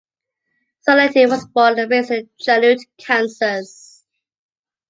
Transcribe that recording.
Osa Leighty was born and raised in Chanute, Kansas.